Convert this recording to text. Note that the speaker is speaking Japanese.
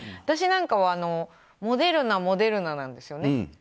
私なんかはモデルナ、モデルナなんですよね。